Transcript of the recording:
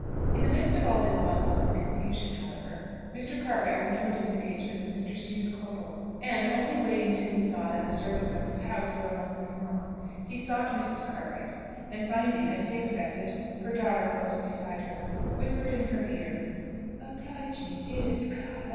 In the midst of all this bustle and confusion, however, Mr. Cartwright remembered his engagement with Mr. Stephen Corbold, and, only waiting till he saw that the servants of his house were among the throng, he sought Mrs. Cartwright, and finding, as he expected, her daughter close beside her, whispered in her ear, "Oblige me, dearest Clara!